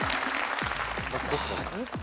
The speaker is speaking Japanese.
どっち。